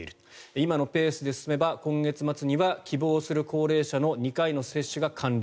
今のペースで進めば今月末には希望する高齢者の２回の接種が完了。